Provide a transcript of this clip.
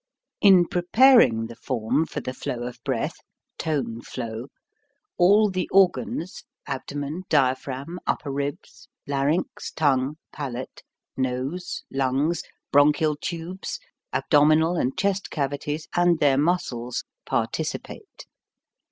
In preparing the form for the flow of breath (tone flow), all the organs, abdomen, diaphragm, upper ribs, larynx, tongue, palate, nose, lungs, bronchial tubes, abdominal and chest cavities, and their muscles, participate.